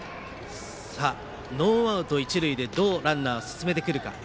ノーアウト一塁でどうランナーを進めるか。